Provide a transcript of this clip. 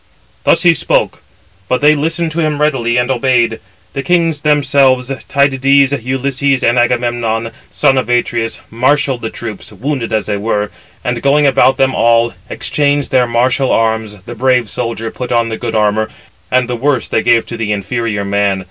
Thus he spoke; but they listened to him readily, and obeyed. The kings themselves, Tydides, Ulysses, and Agamemnon, son of Atreus, marshalled [the troops], wounded as they were; and, going about among them all, exchanged their martial arms, the brave [soldier] put on the good [armour], and the worse they gave to the inferior man.